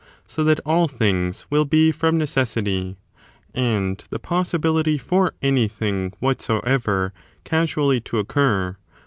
So that all things willvbe from necessity, and the possibility for anything whatsoever casually to occur.